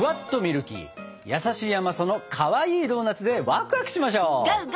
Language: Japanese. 優しい甘さのかわいいドーナツでワクワクしましょ！